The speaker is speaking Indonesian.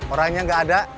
orangnya gak ada